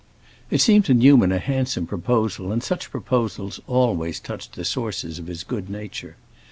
It seemed to Newman a handsome proposal, and such proposals always touched the sources of his good nature.